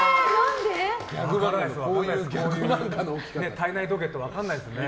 ○！体内時計って分からないですね。